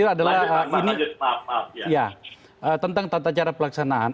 ini adalah tentang tata cara pelaksanaan